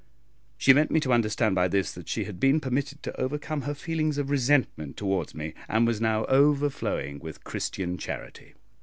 She meant me to understand by this that she had been permitted to overcome her feelings of resentment towards me, and was now overflowing with Christian charity.